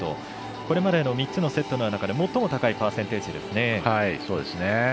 これまでの３つのセットの中で最も高いパーセンテージですね。